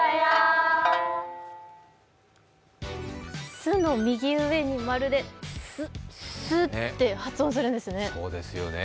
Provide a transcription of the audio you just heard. すの右上に丸で「ず」って発音するんですね。